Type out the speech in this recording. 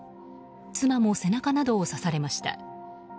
妻も背中などを刺されました。